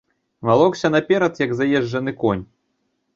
Валокся наперад, як заезджаны конь.